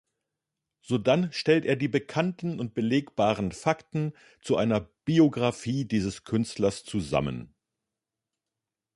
Sodann stellt er die bekannten und belegbaren Fakten zu einer Biographie dieses Künstlers zusammen.